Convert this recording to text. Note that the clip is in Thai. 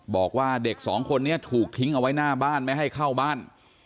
บอกว่าเด็กสองคนนี้ถูกทิ้งเอาไว้หน้าบ้านไม่ให้เข้าบ้าน